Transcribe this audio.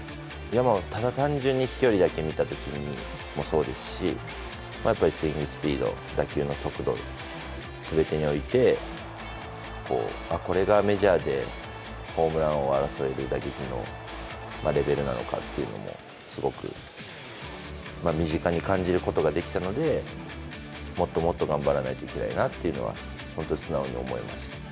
ただ単純に飛距離だけを見てもそうですしスイングスピード、打球の速度全てにおいてこれがメジャーでホームラン王を争える打撃のレベルなのかというのもすごく身近に感じることができたのでもっともっと頑張らないといけないなというのは素直に思いました。